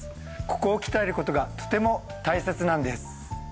ここを鍛える事がとても大切なんです。